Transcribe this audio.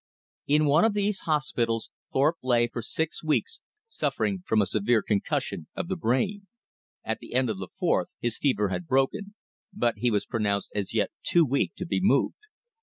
In one of these hospitals Thorpe lay for six weeks suffering from a severe concussion of the brain. At the end of the fourth, his fever had broken, but he was pronounced as yet too weak to be moved.